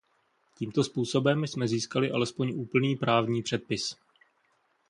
Tímto způsobem jsme získali alespoň úplný právní předpis.